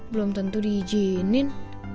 belum tentu diijinin